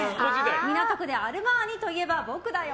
港区でアルマーニといえば僕だよ。